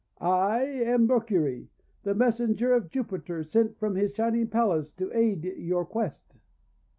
I am Mercury, the messenger of Jupiter sent from his Shining Palace to aid your quest."